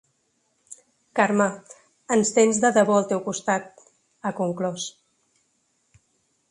Carme, ens tens de debò al teu costat, ha conclòs.